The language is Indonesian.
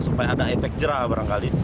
supaya ada efek jerah barangkali